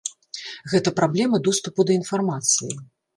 Гэта праблема доступу да інфармацыі.